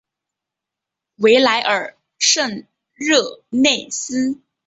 维莱尔圣热内斯。